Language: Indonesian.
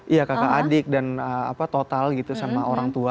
iya kakak adik dan total gitu sama orang tua